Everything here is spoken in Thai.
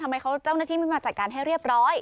เจ้าหน้าที่ไม่มาจัดการให้เรียบร้อย